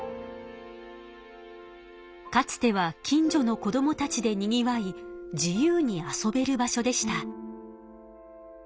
かつては近所の子どもたちでにぎわい自由に遊べる場所でした。